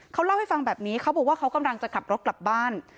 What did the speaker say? เขาเล่าให้ฟังแบบนี้เขาบอกว่าเขากำลังจะขับรถกลับบ้าน